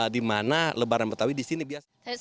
di mana lebaran betawi di sini biasa